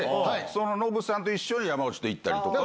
そのノブさんと一緒に山内と行ったりとか。